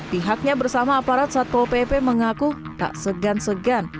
pihaknya bersama aparat satpol pp mengaku tak segan segan